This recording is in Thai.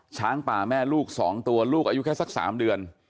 ช้างป่าแม่ลูก๒ตัวลูกอายุแค่สัก๓เดือน